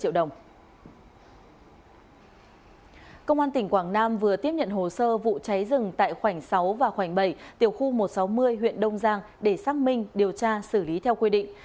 trên hình sự công an tỉnh quảng nam vừa tiếp nhận hồ sơ vụ cháy rừng tại khoảng sáu và khoảng bảy tiểu khu một trăm sáu mươi huyện đông giang để xác minh điều tra xử lý theo quy định